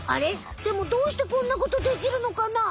でもどうしてこんなことできるのかな？